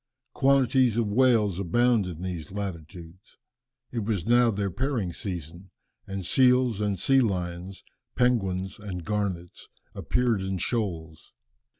Quantities of whales abound in these latitudes. It was now their pairing season, and seals and sea lions, penguins and garnets appeared in shoals.